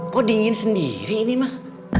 kok dingin sendiri ini mah